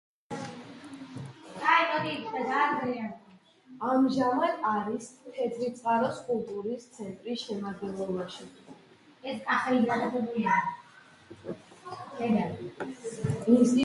ალბომზე მუშაობისას ელტონ ჯონმა ითანამშრომლა სხვადასხვა მუსიკოსთან.